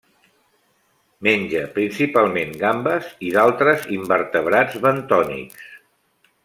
Menja principalment gambes i d'altres invertebrats bentònics.